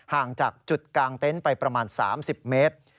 ห่างจากจุดกลางเต็นต์ไปประมาณ๓๐เมตร